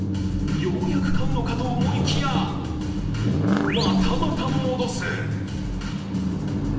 ようやく買うのかと思いきや、またまた戻す。